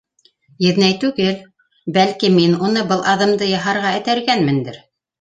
Еҙнәй түгел, бәлки мин уны был аҙымды яһарға этәргәнмендер.